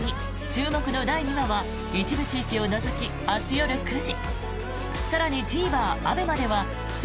注目の第２話は一部地域を除き明日夜９時。